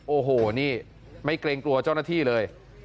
โอ้โหนี่ไม่เกรงกลัวเจ้าหน้าที่เลย